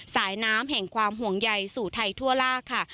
สายน้ำแห่งความห่วงใยสู่ไทยทั่วลากค่ะ